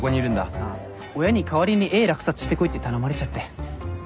あっ親に代わりに絵落札してこいって頼まれちゃって。